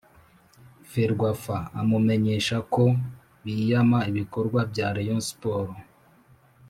ferwafa, amumenyesha ko biyama ibikorwa bya rayon sports